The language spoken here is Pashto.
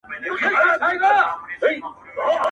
كيسې هېري سوې د زهرو د خوړلو،